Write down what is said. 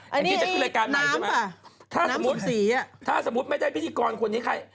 อันนี้ไอ้น้ำล่ะน้ำสุ่มสีนี้นะถ้าสมมติไม่ใช่พิธีกรคนนี้